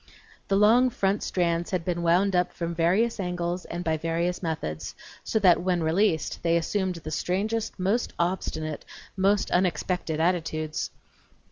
The long front strands had been wound up from various angles and by various methods, so that, when released, they assumed the strangest, most obstinate, most unexpected attitudes.